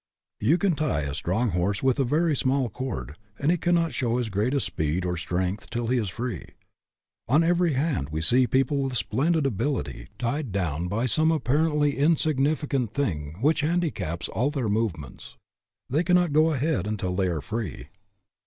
You can tie a strong horse with a very small cord, and he cannot show his greatest speed or strength till he is free. On every hand we see people with splendid ability tied down by some apparently insignificant thing which handicaps all their movements. They cannot go ahead until they are free.